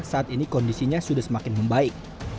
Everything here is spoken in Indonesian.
saat ini kondisinya sudah semakin membaik